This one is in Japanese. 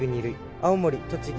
青森栃木